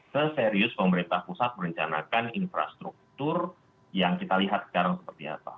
seserius pemerintah pusat merencanakan infrastruktur yang kita lihat sekarang seperti apa